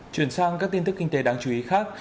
chuyển sang các tin tức kinh tế đáng chú ý khác